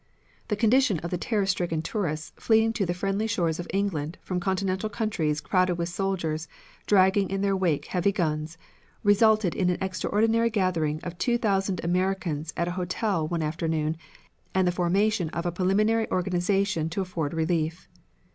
The condition of the terror stricken tourists fleeing to the friendly shores of England from Continental countries crowded with soldiers dragging in their wake heavy guns, resulted in an extraordinary gathering of two thousand Americans at a hotel one afternoon and the formation of a preliminary organization to afford relief.